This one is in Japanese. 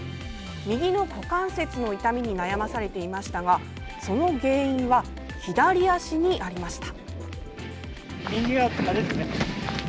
右の股関節の痛みに悩まされていましたがその原因は左脚にありました。